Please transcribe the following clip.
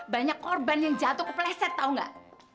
banyak korban yang jatuh kepleset tahu nggak